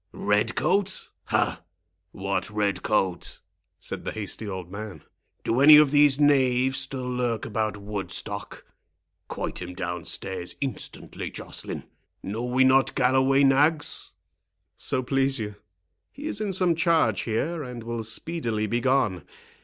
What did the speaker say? "Red coat—ha! what red coat?" said the hasty old man. "Do any of these knaves still lurk about Woodstock?—Quoit him down stairs instantly, Joceline.—Know we not Galloway nags?" "So please you, he is in some charge here, and will speedily be gone.